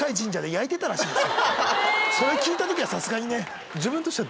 それ聞いた時にはさすがにね。